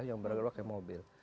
yang bergeraknya mobil